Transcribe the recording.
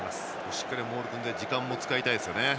しっかりモールを組んで時間を使いたいですね。